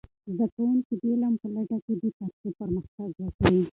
زده کوونکي د علم په لټه کې دي ترڅو پرمختګ وکړي.